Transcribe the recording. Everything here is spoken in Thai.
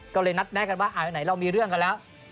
ก็เลยนัดแนะกันว่าไหนเรามีเรื่องกันแล้ว